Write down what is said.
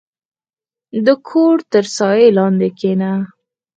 • د کور تر سایې لاندې کښېنه.